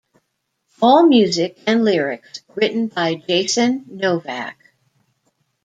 All music and lyrics written by Jason Novak.